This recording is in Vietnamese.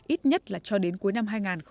ít nhất là cho đến cuối năm hai nghìn một mươi sáu